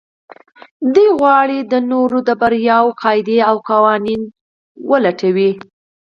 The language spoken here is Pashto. دوی غواړي د نورو د برياوو قاعدې او قوانين وپلټي.